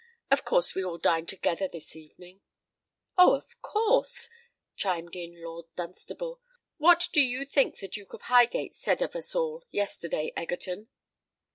Of course we all dine together this evening." "Oh! of course," chimed in Lord Dunstable. "What do you think the Duke of Highgate said of us all yesterday, Egerton?"